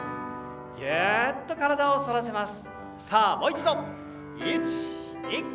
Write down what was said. ぎゅーっと体を反らせます。